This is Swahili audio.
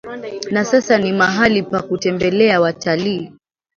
Na sasa ni mahali pa kutembelea watalii